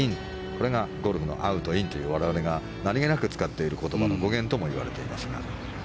これが、ゴルフのアウト、インという我々が何気なく使っている言葉の語源ともいわれていますが。